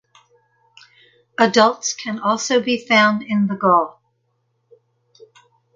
Adults can also be found in the gall.